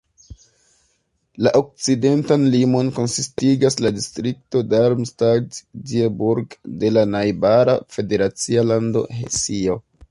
La okcidentan limon konsistigas la distrikto Darmstadt-Dieburg de la najbara federacia lando Hesio.